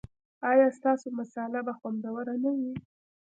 ایا ستاسو مصاله به خوندوره نه وي؟